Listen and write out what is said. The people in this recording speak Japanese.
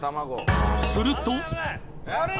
すると。